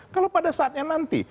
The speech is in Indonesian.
kalau pada saatnya nanti